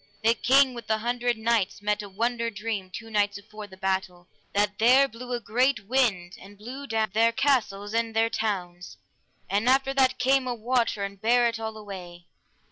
The King with the Hundred Knights met a wonder dream two nights afore the battle, that there blew a great wind, and blew down their castles and their towns, and after that came a water and bare it all away.